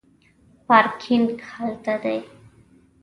پارکینګ هلته دی